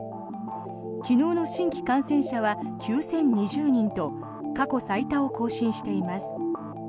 昨日の新規感染者は９０２０人と過去最多を更新しています。